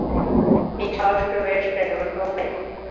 明朝时为沈阳中卫。